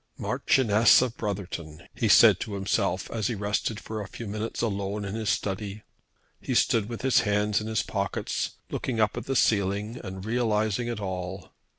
"Marchioness of Brotherton!" he said to himself, as he rested for a few minutes alone in his study. He stood with his hands in his pockets, looking up at the ceiling, and realizing it all.